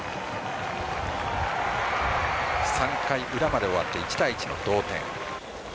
３回裏まで終わって１対１の同点。